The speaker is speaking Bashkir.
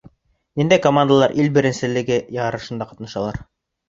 Ниндәй командалар ил беренселеге ярышында ҡатнашалар?